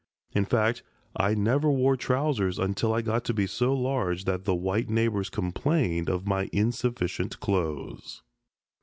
In fact, I never wore trousers until I got to be so large that the white neighbors complained of my insufficient clothes.